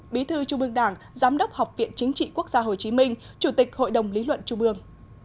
bí thư trung ương đảng giám đốc học viện chính trị quốc gia hồ chí minh chủ tịch hội đồng lý luận trung ương